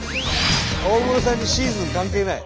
大室さんにシーズン関係ない。